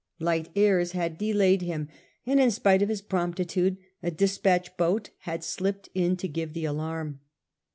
Light airs had delayed him, and in spite of his promptitude a despatch boat had slipped in to give the alarm.